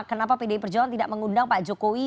kenapa pdip berjuangan tidak mengundang pak jokowi